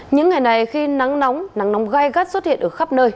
những ngày này khi nắng nóng nắng nóng gai gắt xuất hiện ở khắp nơi